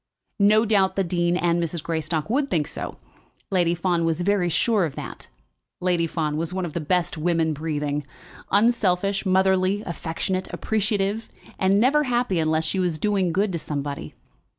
No doubt the dean and Mrs. Greystock would think so; Lady Fawn was very sure of that. Lady Fawn was one of the best women breathing, unselfish, motherly, affectionate, appreciative, and never happy unless she was doing good to somebody.